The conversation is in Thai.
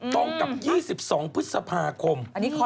ตรงกับ๒๒พฤษภาคม